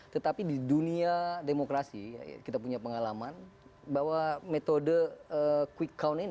tetapi di dunia demokrasi kita punya pengalaman bahwa metode quick count ini